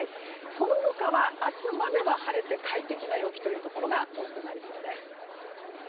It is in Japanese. その他は、明日までは晴れて快適な陽気というところが多くなりそうです。